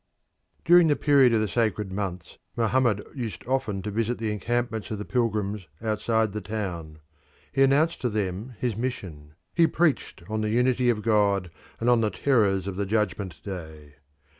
During the period of the sacred months Mohammed used often to visit the encampments of the pilgrims outside the town. He announced to them his mission; he preached on the unity of God and on the terrors of the judgment day.